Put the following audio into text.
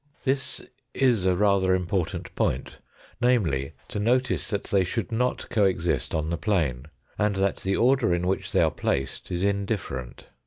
This is a rather important point, namely, to notice that they should not co exist on the plane, and that the order in which they are placed is indifferent.